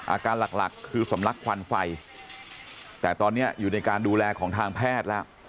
อาการหลักหลักคือสำลักควันไฟแต่ตอนนี้อยู่ในการดูแลของทางแพทย์แล้ว